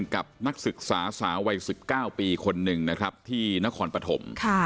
กับนักศึกษาสาววัย๑๙ปีคนหนึ่งนะครับที่นครปฐม